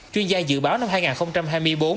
chuyên gia dự báo năm hai nghìn hai mươi bốn